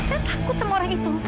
saya takut sama orang itu